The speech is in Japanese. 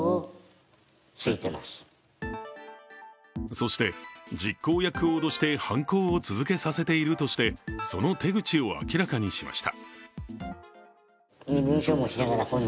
そして、実行役を脅して犯行を続けさせているとして、その手口を明らかにしました。